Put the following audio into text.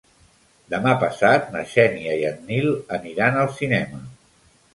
Demà passat na Xènia i en Nil aniran al cinema.